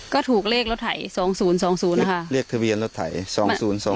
ก็ถูกเลขรถไถสองศูนย์สองศูนย์นะคะเลขทะเบียนรถไถสองศูนย์สอง